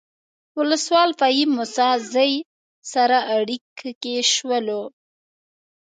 ولسوال فهیم موسی زی سره اړیکه کې شولو.